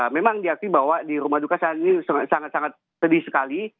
memang diakui bahwa di rumah duka saat ini sangat sangat sedih sekali